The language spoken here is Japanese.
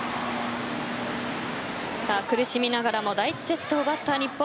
さあ、苦しみながらも第１セットを奪った日本。